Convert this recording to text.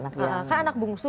kan anak bung su